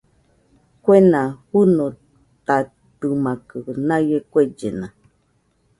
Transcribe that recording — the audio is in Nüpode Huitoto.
Kuena fɨnotatɨmakɨ naie kuellena